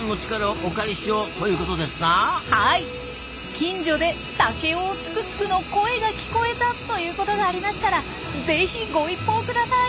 近所でタケオオツクツクの声が聞こえたということがありましたらぜひご一報ください！